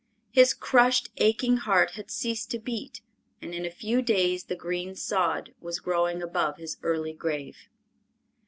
His crushed, aching heart had ceased to beat and in a few days the green sod was growing above his early grave.